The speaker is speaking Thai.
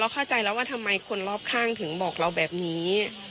เข้าใจแล้วว่าทำไมคนรอบข้างถึงบอกเราแบบนี้